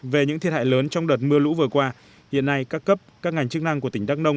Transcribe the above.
về những thiệt hại lớn trong đợt mưa lũ vừa qua hiện nay các cấp các ngành chức năng của tỉnh đắk nông